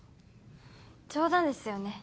冗談ですよね？